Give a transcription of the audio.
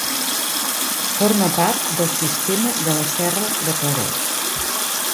Forma part del sistema de la Serra de Claret.